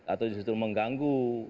atau justru mengganggu